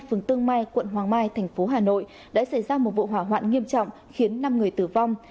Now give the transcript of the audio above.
phường tương mai quận hoàng mai thành phố hà nội đã xảy ra một vụ hỏa hoạn nghiêm trọng khiến năm người tử vong